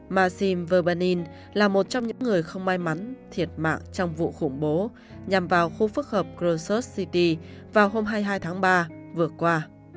masim verbaning là một trong những người không may mắn thiệt mạng trong vụ khủng bố nhằm vào khu phức hợp krocus city vào hôm hai mươi hai tháng ba vừa qua